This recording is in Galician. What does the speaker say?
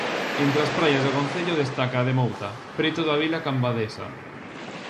Entre as praias do concello destaca a de Mouta, preto da vila cambadesa.